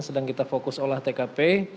sedang kita fokus olah tkp